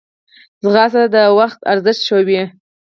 ځغاسته د وخت ارزښت ښووي